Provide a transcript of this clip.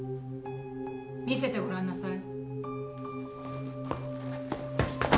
見せてごらんなさい。